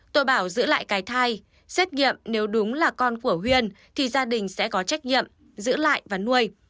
tôi bảo giữ lại cái thai xét nghiệm nếu đúng là con của huyên thì gia đình sẽ có trách nhiệm giữ lại và nuôi